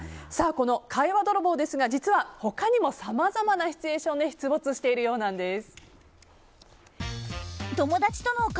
この会話泥棒ですが実は他にもさまざまなシチュエーションで出没しているようなんです。